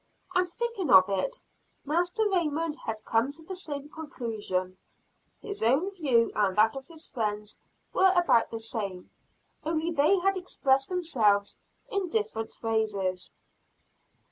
And thinking of it, Master Raymond had to come to the same conclusion. His own view and that of his friends were about the same, only they had expressed themselves in different phrases.